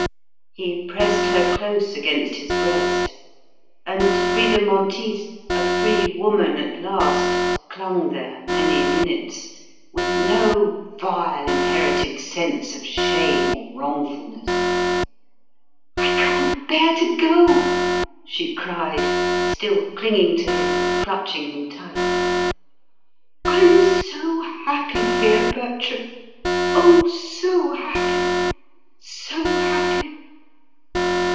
He pressed her close against his breast; and Frida Monteith, a free woman at last, clung there many minutes with no vile inherited sense of shame or wrongfulness. "I can't bear to go," she cried, still clinging to him and clutching him tight. "I'm so happy here, Bertram; oh, so happy, so happy!"